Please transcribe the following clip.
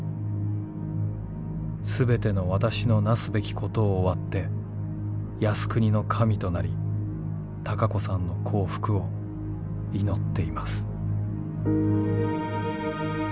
全ての私のなすべきことを終わって靖国の神となり孝子さんの幸福を祈っています」。